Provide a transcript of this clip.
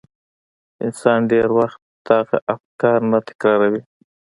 انسان ډېر وخت دغه افکار نه تکراروي.